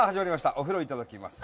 「お風呂いただきます」。